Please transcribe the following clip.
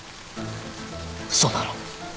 嘘だろ。